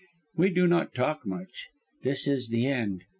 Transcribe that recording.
We do not talk much. This is the end.